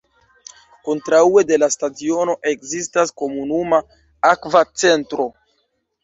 Kontraŭe de la stadiono, ekzistas komunuma akva centro.